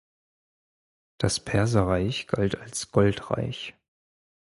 Das Perserreich galt als das „Goldreich“.